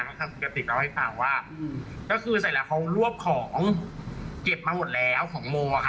ทางคุณกติกเล่าให้ฟังว่าก็คือเสร็จแล้วเขารวบของเก็บมาหมดแล้วของโมอะค่ะ